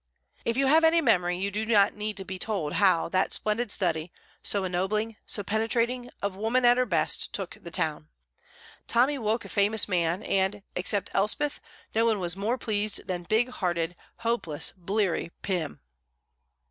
If you have any memory you do not need to be told how that splendid study, so ennobling, so penetrating, of woman at her best, took the town. Tommy woke a famous man, and, except Elspeth, no one was more pleased than big hearted, hopeless, bleary Pym.